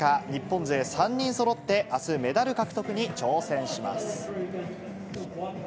日本勢３人そろってあす、メダル獲得に挑戦します。